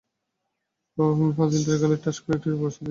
ফাজিলটার গালে ঠাস করে একটা চড় বসিয়ে দিতে।